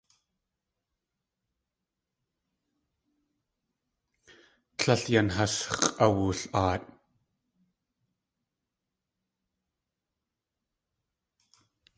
Tlél yan has x̲ʼawul.aat.